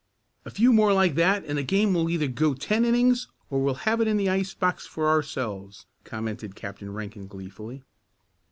"A few more like that and the game will either go ten innings or we'll have it in the ice box for ourselves," commented Captain Rankin gleefully.